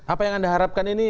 apa yang anda harapkan ini